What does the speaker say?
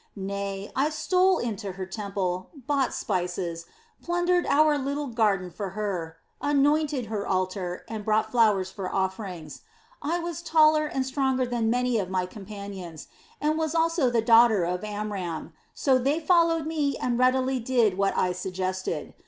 Nay, I stole into her temple, bought spices, plundered our little garden for her, anointed her altar, and brought flowers for offerings. I was taller and stronger than many of my companions, and was also the daughter of Amram, so they followed me and readily did what I suggested.